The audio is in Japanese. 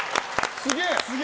すげえ！